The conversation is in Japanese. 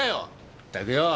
ったくよぅ！